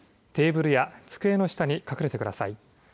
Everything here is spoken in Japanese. テーブルや机の下に隠れてください。